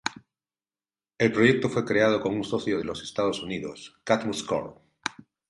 El proyecto fue creado con un socio de los Estados Unidos Cadmus Corp.